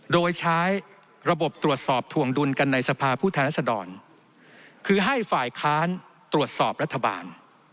โดยใช้ระบบตรวจสอบถวงดุลกันในสภาพผู้แทนรัศดรคือให้ฝ่ายค้านตรวจสอบรัฐบาล